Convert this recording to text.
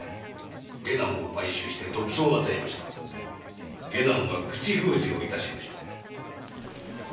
下男を買収して毒草を与え下男は口封じを致しました。